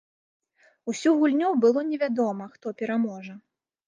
Усю гульню было невядома, хто пераможа.